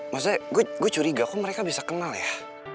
maksudnya gue curiga kok mereka bisa kenal ya